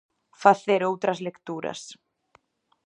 Facer outras lecturas.